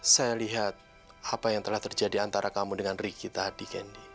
saya lihat apa yang telah terjadi antara kamu dengan riki tadi kendi